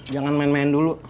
jangan main main dulu